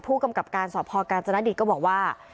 ผู้กำกับการสอบพอกาญจนดิตก็บอกว่า